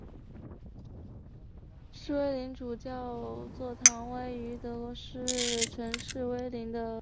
诗威林主教座堂是位于德国城市诗威林的一座主教座堂。